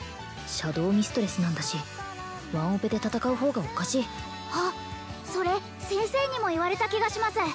シャドウミストレスなんだしワンオペで戦う方がおかしいあっそれ先生にも言われた気がします